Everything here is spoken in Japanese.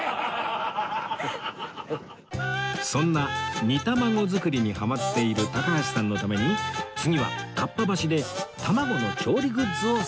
そんな煮卵作りにハマっている高橋さんのために次はかっぱ橋で卵の調理グッズを探す事に